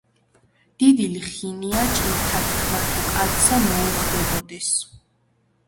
დიდი ლხინია ჭირთა თქმა, თუ კაცსა მოუხდებოდეს